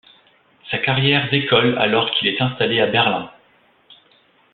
Sa carrière décolle alors qu'il est installé à Berlin.